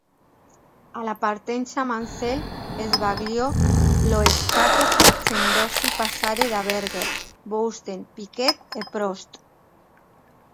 Alla partenza Mansell sbagliò lo scatto facendosi passare da Berger, Boutsen, Piquet e Prost.